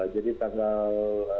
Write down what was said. jadi tanggal delapan belas